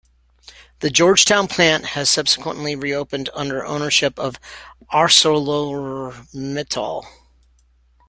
The Georgetown plant has subsequently reopened under ownership of ArcelorMittal.